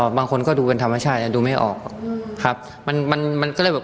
นางหนุ่มมองข้างหลังอีกแล้วเนี่ย